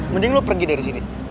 mending lo pergi dari sini